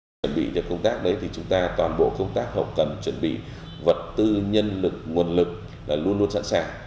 để chuẩn bị công tác này thì chúng ta toàn bộ công tác học tầm chuẩn bị vật tư nhân lực nguồn lực là luôn luôn sẵn sàng